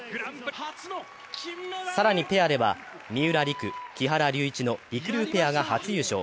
更に、ペアでは三浦璃来・木原龍一のりくりゅうペアが初優勝。